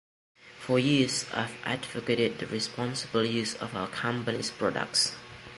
For years, I've advocated the responsible use of our company's products.